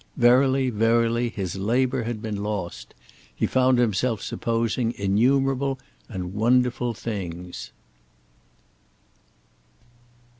Verily, verily, his labour had been lost. He found himself supposing innumerable and wonderful things.